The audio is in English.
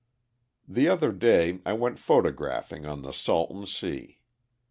] The other day I went photographing on the Salton Sea.